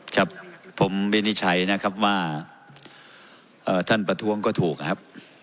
ครับผมวินิจฉัยนะครับว่าท่านประท้วงก็ถูกนะครับ